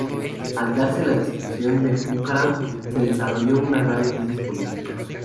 Al darse la destitución de Bucaram, se desarrolló una grave crisis política.